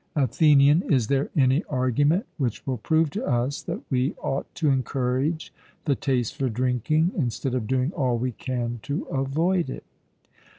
ATHENIAN: Is there any argument which will prove to us that we ought to encourage the taste for drinking instead of doing all we can to avoid it?